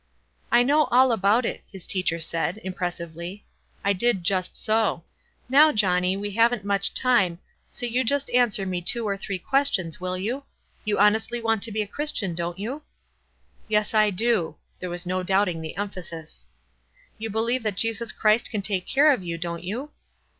"I know all about that," his teacher said, im pressively. " I did just so. Now, Johnny, we haven't much time, so you just answer me two or three questions, will you? You honestly want to be a Christian, don't you?" "Yes, I do." There was no doubting the emphasis. " You believe that Jesus Christ can take care of you, don't you?"